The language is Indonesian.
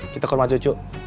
kita ke rumah cucu